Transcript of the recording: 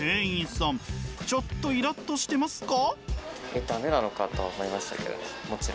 ちょっとイラッとしてますか？